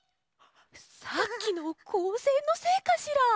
さっきのこうせんのせいかしら？